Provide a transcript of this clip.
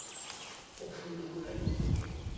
「お金でございますが」。